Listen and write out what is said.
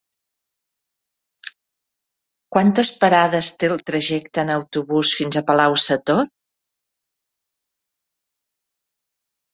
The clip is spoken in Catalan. Quantes parades té el trajecte en autobús fins a Palau-sator?